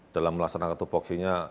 dalam melaksanakan topoksinya